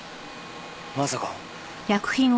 まさか。